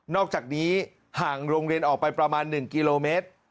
อกจากนี้ห่างโรงเรียนออกไปประมาณ๑กิโลเมตร